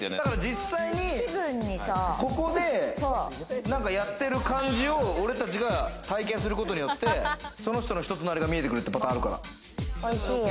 実際に、ここで何かやってる感じを俺たちが体験することによって、その人の人となりが見えてくるっていうパターンあるから。